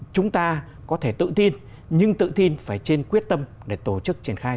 chúng ta có thể tự tin nhưng tự tin phải trên quyết tâm để tổ chức triển khai